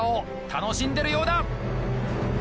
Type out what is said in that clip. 楽しんでるようだ！